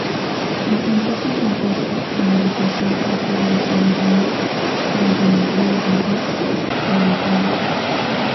Intentó presentarse a la votación para ser elegida reina frente al rey David Kalākaua.